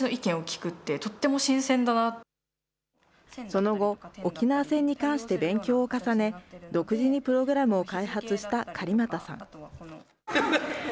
その後、沖縄戦に関して勉強を重ね、独自にプログラムを開発した狩俣さん。